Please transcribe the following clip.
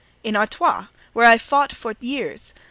"In Artois, where I fought for years.